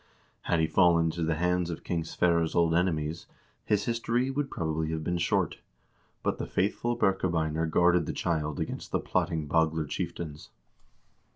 Had he fallen into the hands of King Sverre's old enemies, his history would, probably, have been short, but the faithful Birkebeiner guarded the child against the plotting Bagler chieftains.